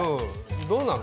どうなの？